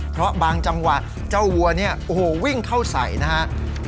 เพราะบางจังหวะเจ้าวัวเนี่ยโอ้โหวิ่งเข้าใส่นะฮะ